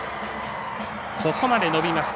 ここまで伸びました。